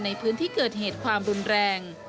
ในพื้นที่เกิดเหตุความรุนแรง